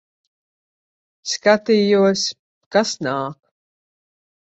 Skatījos, kas nāk.